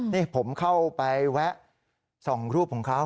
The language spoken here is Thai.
นี่ผมเข้าไปแวะส่องรูปของเขา